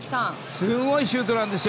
すごいシュートなんですよ